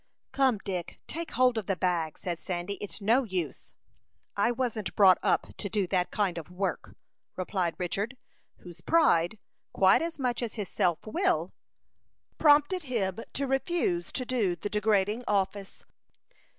"Come, Dick, take hold of the bag," said Sandy. "It's no use." "I wasn't brought up to do that kind of work," replied Richard, whose pride, quite as much as his self will, prompted him to refuse to do the degrading office.